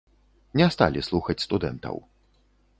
Не сталі слухаць студэнтаў.